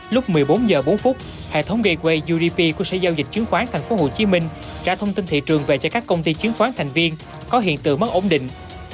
lúc một mươi bốn h bốn hệ thống gây quay udp của sở giao dịch chứng khoán tp hcm ra thông tin thị trường về cho các công ty chứng khoán thành viên có hiện tượng mất ổn định